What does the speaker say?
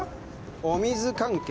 お水関係？